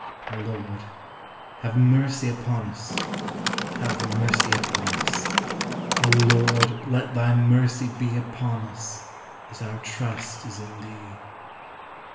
O Lord, have mercy upon us, have mercy upon us. O Lord, let thy mercy be upon us, as our trust is in thee.